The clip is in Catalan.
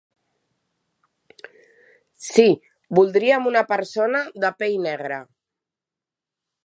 Sí, voldríem una persona de pell negra.